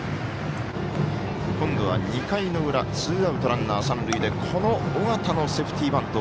今度は２回の裏ツーアウト、ランナー、三塁で尾形のセーフティーバント。